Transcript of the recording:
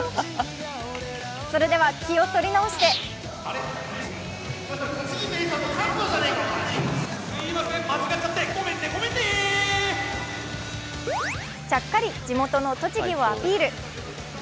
それでは気を取り直してちゃっかり地元の栃木をアピール。